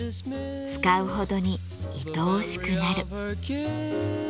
使うほどにいとおしくなる。